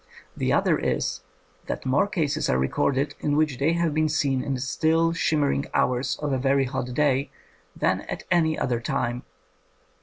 The other is, that more cases are recorded in which they have been seen in the still, shimmering hours of a very hot day than at any other time.